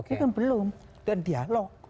itu kan belum dan dialog